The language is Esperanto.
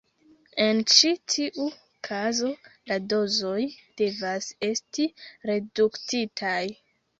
En ĉi tiu kazo, la dozoj devas esti reduktitaj.